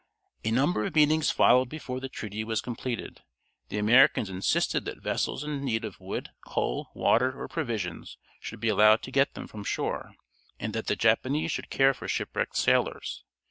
A number of meetings followed before the treaty was completed. The Americans insisted that vessels in need of wood, coal, water, or provisions should be allowed to get them from shore, and that the Japanese should care for shipwrecked sailors.